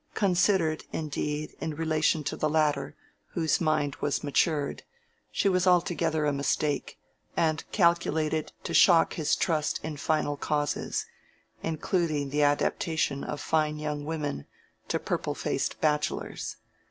Considered, indeed, in relation to the latter, whose mind was matured, she was altogether a mistake, and calculated to shock his trust in final causes, including the adaptation of fine young women to purplefaced bachelors.